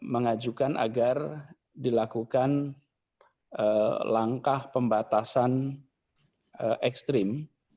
mengajukan agar dilakukan langkah pembatasan ekstrim